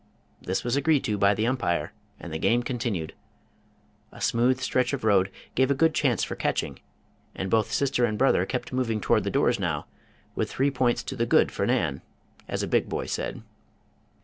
This was agreed to by the umpire, and the game continued. A smooth stretch of road gave a good chance for catching, and both sister and brother kept moving toward the doors now, with three points "to the good" for Nan, as a big boy said.